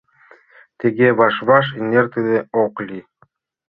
Тыге ваш-ваш эҥертыде ок лий.